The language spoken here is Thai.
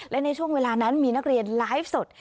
และในช่วงเวลานั้นมีนักเรียนไลฟ์สด